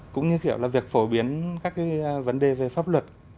cũng như kiểu là việc phổ biến các cái vấn đề về pháp luật